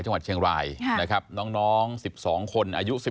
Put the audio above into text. จังหวัดเชียงรายนะครับน้อง๑๒คนอายุ๑๙